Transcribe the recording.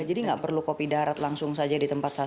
jadi nggak perlu kopi darat langsung saja di tempat sasaran